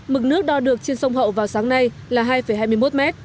mực nước đo được trên sông hậu vào sáng nay là hai hai mươi một m